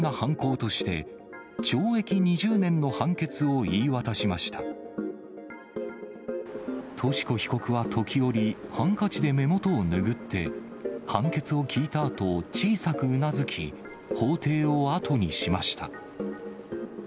とし子被告は時折、ハンカチで目元を拭って、判決を聞いたあと、小さくうなずき、法廷を後にしました。